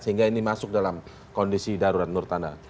sehingga ini masuk dalam kondisi darurat menurut anda